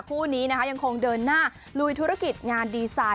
คู่นี้นะคะยังคงเดินหน้าลุยธุรกิจงานดีไซน์